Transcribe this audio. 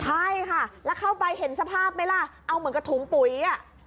ใช่ค่ะแล้วเข้าไปเห็นสภาพไหมล่ะเอาเหมือนกับถุงปุ๋ยอ่ะ